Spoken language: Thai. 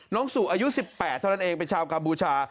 น้องสุอายุสิบแปดเท่านั้นเองเป็นชาวกัมบูชา